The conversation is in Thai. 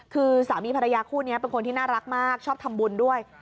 คือสามีภรรยาคู่นี้เป็นคนที่น่ารักมากชอบทำบุญด้วย